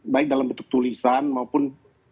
baik dalam bentuk tulisan maupun